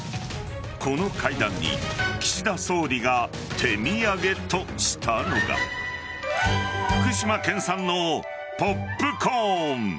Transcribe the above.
この会談に岸田総理が手土産としたのが福島県産のポップコーン。